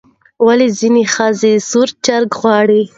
ولې ځینې ښځې سور چرګ غواړي؟